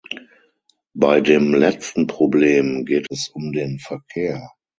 Bei dem letzten Problem geht es um den Verkehr.